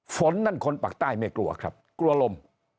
ฝนนั่นคนปากใต้ไม่กลัวครับกลัวลม